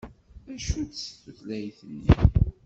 D acu-tt tutlayt-nni?